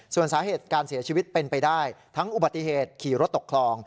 ส่วนสาเหตุการเสียชีวิตเป็นไปได้ทั้งอุบัติเหตุขี่รถตกคลอง